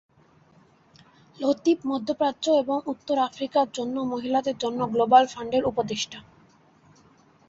লতিফ মধ্যপ্রাচ্য এবং উত্তর আফ্রিকার জন্য মহিলাদের জন্য গ্লোবাল ফান্ডের উপদেষ্টা।